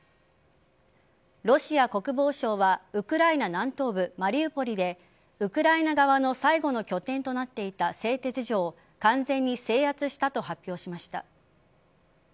ロシア国防省はウクライナ南東部・マリウポリでウクライナ側の最後の拠点となっていた製鉄所を完全に制圧したと発表しました。